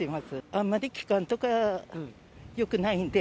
あんまり気管とかよくないんで。